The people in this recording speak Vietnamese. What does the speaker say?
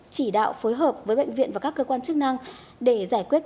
chỉ đạo phối hợp với bệnh viện và các cơ quan chức năng